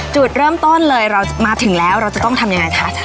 จุดเริ่มต้นเลยเรามาถึงแล้วเราจะต้องทำยังไงคะ